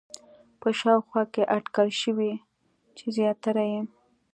په شاوخوا کې اټکل شوی چې زیاتره یې